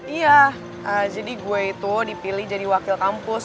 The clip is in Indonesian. iya jadi gue itu dipilih jadi wakil kampus